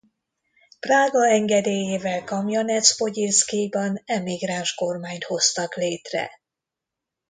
Prága engedélyével Kamjanec-Pogyilszkijban emigráns kormányt hoztak létre.